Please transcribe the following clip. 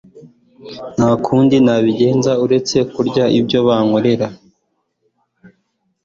nta kundi nabigenza uretse kurya ibyo bankorera